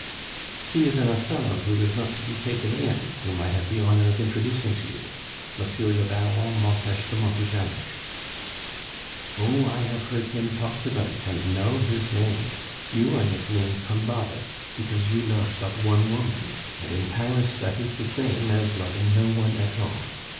"He is an Othello who is not to be taken in, whom I have the honor of introducing to you Monsieur le Baron Montes de Montejanos." "Oh! I have heard him talked about, and know his name. You are nicknamed Combabus, because you love but one woman, and in Paris, that is the same as loving no one at all.